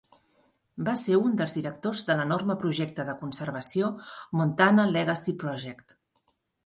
Va ser un dels directors de l'enorme projecte de conservació Montana Legacy Project.